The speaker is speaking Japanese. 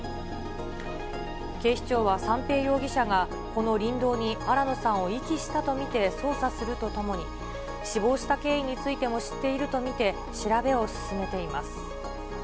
警視庁は三瓶容疑者が、この林道に新野さんを遺棄したと見て、捜査するとともに、死亡した経緯についても知っていると見て、調べを進めています。